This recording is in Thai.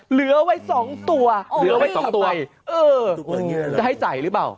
เหลือไว้สองตัวเหลือไว้สองตัวเออจะให้ใส่หรือเปล่า